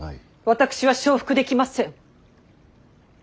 私は承服できません。